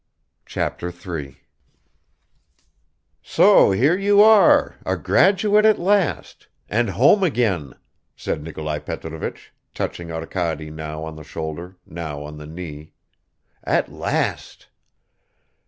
Chapter 3 "SO HERE YOU ARE, A GRADUATE AT LAST AND HOME AGAIN," said Nikolai Petrovich, touching Arkady now on the shoulder, now on the knee. "At last!"